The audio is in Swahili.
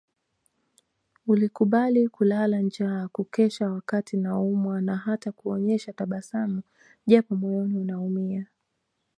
Ulikubali kulala njaa kukesha wakati naumwa na hata kuonyesha tabasamu japo moyoni unaumia